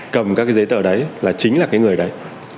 cầm các cái giấy tờ đấy là chính là cái người đấy